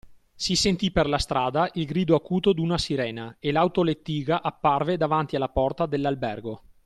Si sentí per la strada il grido acuto d’una sirena e l’autolettiga apparve davanti alla porta dell’albergo.